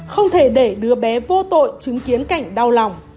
không thể để đứa bé vô tội chứng kiến cảnh đau lòng